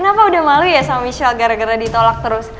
kenapa udah malu ya sama michelle gara gara ditolak terus